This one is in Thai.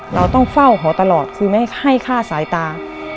เราต้องเฝ้าเขาตลอดคือไม่ให้ฆ่าสายตา